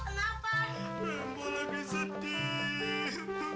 ini ajok punya makanan